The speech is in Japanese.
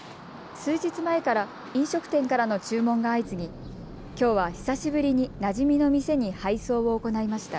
数日前から飲食店からの注文が相次ぎきょうは久しぶりになじみの店に配送を行いました。